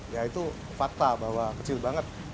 ya itu fakta bahwa kecil banget